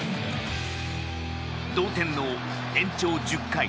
同点の延長１０回。